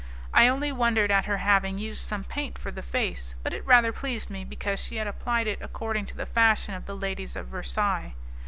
I only wondered at her having used some paint for the face, but it rather pleased me because she had applied it according to the fashion of the ladies of Versailles.